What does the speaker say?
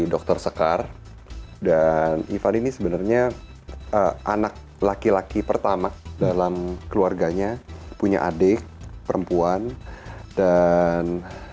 dokter sekar dan ivan ini sebenarnya anak laki laki pertama dalam keluarganya punya adik perempuan dan